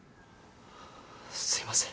すいません。